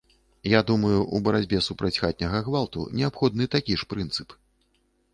Я думаю, у барацьбе супраць хатняга гвалту неабходны такі ж прынцып.